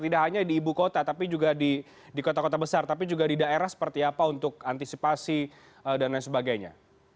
tidak hanya di ibu kota tapi juga di kota kota besar tapi juga di daerah seperti apa untuk antisipasi dan lain sebagainya